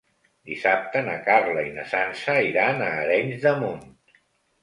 Dissabte na Carla i na Sança iran a Arenys de Munt.